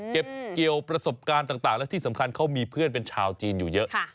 เก็บเกี่ยวประสบการณ์ต่างและที่สำคัญเขามีเพื่อนเป็นชาวจีนอยู่เยอะ